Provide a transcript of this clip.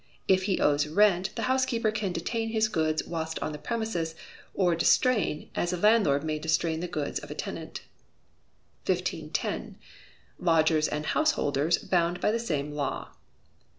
If he owes rent, the housekeeper can detain his goods whilst on the premises, or distrain, as a landlord may distrain the goods of a tenant. 1510. Lodgers and Householders bound by the same Law.